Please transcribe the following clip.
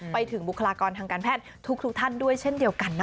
ไปถึงบุคลากรทางการแพทย์ทุกท่านด้วยเช่นเดียวกันนะคะ